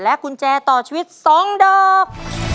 และกุญแจต่อชีวิตสองดอก